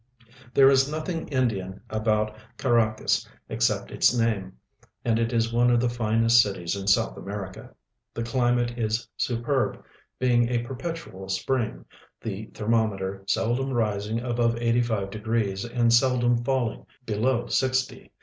There is nothing Indian about Caracas except its name, and it is one of the finest cities in South America. The climate is superb, being a perpetual spring, the thermometer seldom rising above 85 degrees and seldom falling below 60 ; there is not a NAT.